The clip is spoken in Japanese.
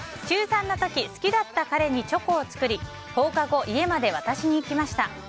中３の時好きだった彼にチョコを作り放課後、家まで渡しに行きました。